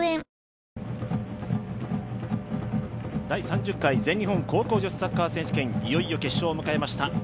第３０回全日本高校女子サッカー選手権、いよいよ決勝を迎えました。